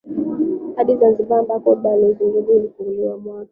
hadi Zanzibar ambako ubalozi mdogo ulifunguliwa mwaka